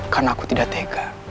karena aku tidak tega